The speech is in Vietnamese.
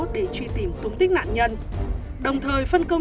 để truy tìm thống tích nạn nhân